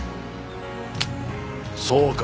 そうか？